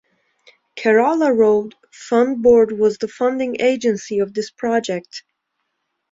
Kerala Road Fund Board was the funding agency of this project.